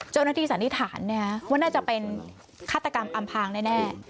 เจ้าหน้าที่สันนิษฐานเนี่ยว่าน่าจะเป็นคาตกรรมอำพางแน่